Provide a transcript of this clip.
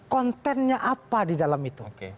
kontennya apa di dalam itu